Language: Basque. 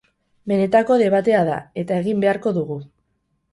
Benetako debatea da, eta egin beharko dugu.